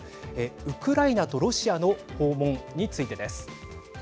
ウクライナとロシアの訪問についてです。